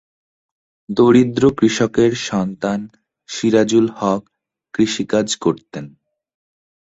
দরিদ্র কৃষকের সন্তান সিরাজুল হক কৃষিকাজ করতেন।